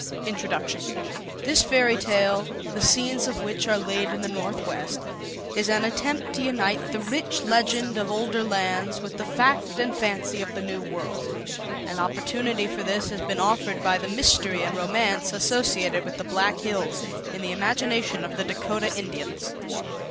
INTRODUCTION This Fairy Tale, the scenes of which are laid in the Northwest, is an attempt to unite the rich Legend of Older Lands with the Fact and Fancy of the New World. An opportunity for this has been offered by the Mystery and Romance associated with the Black Hills in the imagination of the Dakota Indians.